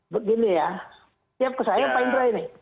begini ya siap ke saya pak indra ini